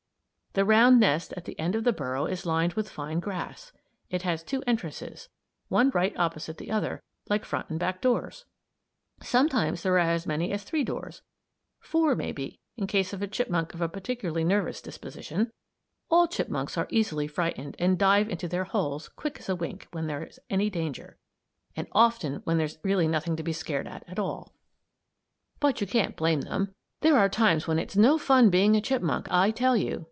The round nest at the end of the burrow is lined with fine grass. It has two entrances, one right opposite the other, like front and back doors. Sometimes there are as many as three doors; four, maybe, in case of a chipmunk of a particularly nervous disposition. All chipmunks are easily frightened and dive into their holes, quick as a wink, when there's any danger; and often when there's really nothing to be scared at at all. WHEN THOSE EXTRA DOORS COME HANDY But you can't blame them. There are times when it's no fun being a chipmunk, I tell you.